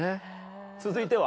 続いては？